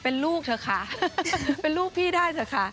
เป็นลูกเถอะค่ะเป็นลูกพี่ได้เถอะค่ะ